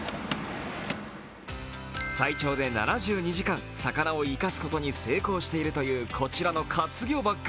最長で７２時間、魚を生かすことに成功しているというこちらの活魚ＢＡＧ。